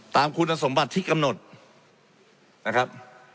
ตามคุณสมบัติที่กำหนดนะครับ